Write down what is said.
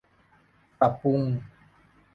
ปรับปรุง